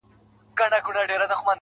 که غچيدله زنده گي په هغه ورځ درځم,